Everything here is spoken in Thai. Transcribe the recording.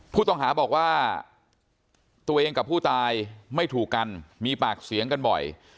ผู้ต้องหาบอกว่าตัวเองกับผู้ตายไม่ถูกกันมีปากเสียงกันบ่อย